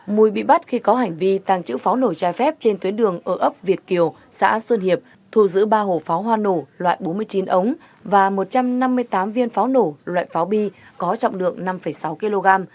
mùi bị bắt khi có hành vi tàng trữ pháo nổi trái phép trên tuyến đường ở ấp việt kiều xã xuân hiệp thù giữ ba hộp pháo hoa nổ loại bốn mươi chín ống và một trăm năm mươi tám viên pháo nổ loại pháo bi có trọng lượng năm sáu kg